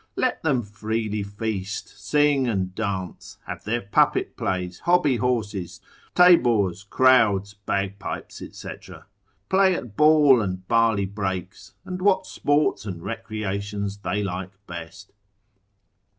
Let them freely feast, sing and dance, have their puppet plays, hobby horses, tabors, crowds, bagpipes, &c., play at ball, and barley breaks, and what sports and recreations they like best.